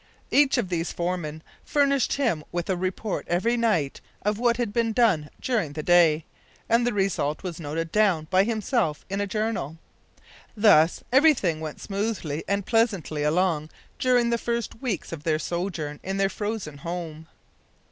Each of these foremen furnished him with a report every night of what had been done during the day, and the result was noted down by himself in a journal. Thus everything went smoothly and pleasantly along during the first weeks of their sojourn in their frozen home.